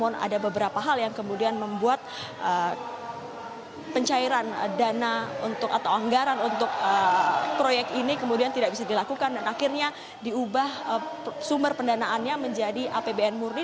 tapi pencairan dana atau anggaran untuk proyek ini kemudian tidak bisa dilakukan dan akhirnya diubah sumber pendanaannya menjadi apbn murni